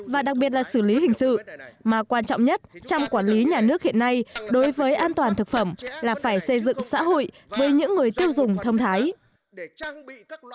và đặc biệt là xử lý hình sự mà quan trọng nhất trong quản lý nhà nước hiện nay đối với an toàn thực phẩm là phải xây dựng xã hội với những người tiêu dùng thông thái